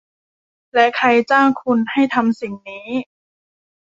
และใครจ้างคุณให้ทำสิ่งนี้